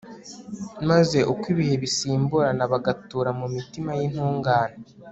maze uko ibihe bisimburana bugatura mu mitima y'intungane